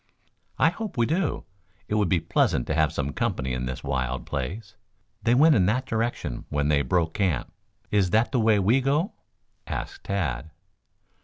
"I hope we do. It would be pleasant to have some company in this wild place. They went in that direction when they broke camp. Is that the way we go?" asked Tad.